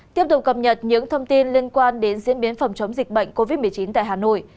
tiếp tục cập nhật những thông tin liên quan đến diễn biến phòng chống dịch bệnh covid một mươi chín tại hà nội